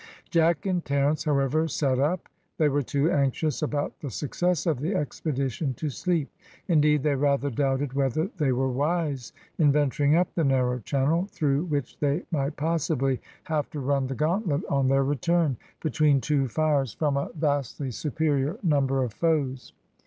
Jack and Terence, however, sat up; they were too anxious about the success of the expedition to sleep, indeed they rather doubted whether they were wise in venturing up the narrow channel, through which they might possibly have to run the gauntlet on their return, between two fires from a vastly superior number of foes.